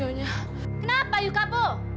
jangan terb actuasi begitu pucat